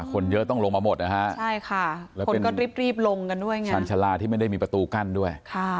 คนก็รีบลงกันด้วยชาญชาลาที่ไม่ได้มีประตูกั้นด้วย